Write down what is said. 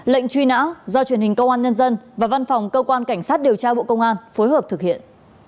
lệnh truy nã do truyền hình công an nhân dân và văn phòng cơ quan cảnh sát điều tra bộ công an phối hợp thực hiện